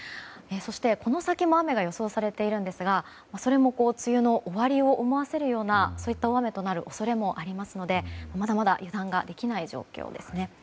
そして、この先も雨が予想されていますが、それも梅雨の終わりを思わせるようなそういった大雨となる恐れもありますのでまだまだ油断ができない状況ですね。